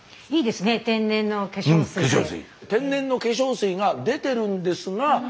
天然の化粧水が出てるんですが出にくい方々。